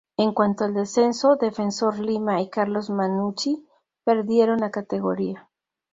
En cuanto al descenso, Defensor Lima y Carlos Mannucci perdieron la categoría.